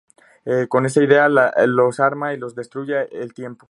Con esa idea los arma y los destruye al tiempo.